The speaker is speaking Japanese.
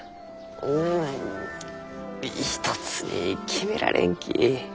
うん一つに決められんき。